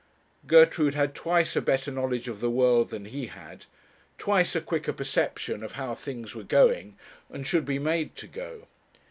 Gertrude had twice a better knowledge of the world than he had, twice a quicker perception of how things were going, and should be made to go.